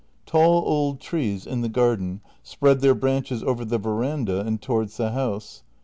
Tall old trees in the garden spread their branches over the veranda and towards the house.